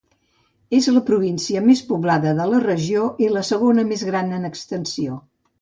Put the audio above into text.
És la província més poblada de la regió i la segona més gran en extensió.